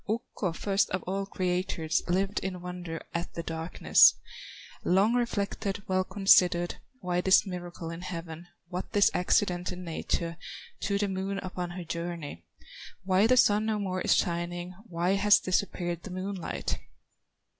Ukko, first of all creators, Lived in wonder at the darkness; Long reflected, well considered, Why this miracle in heaven, What this accident in nature To the Moon upon her journey; Why the Sun no more is shining, Why has disappeared the moonlight.